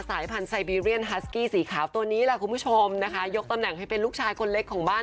สีขาวตัวนี้แหละคุณผู้ชมนะคะยกตำแหน่งให้เป็นลูกชายคนเล็กของบ้าน